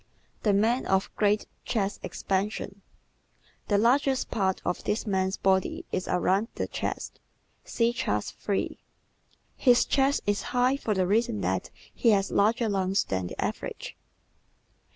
The Man of Great Chest Expansion ¶ The largest part of this man's body is around the chest. (See Chart 3) His chest is high for the reason that he has larger lungs than the average.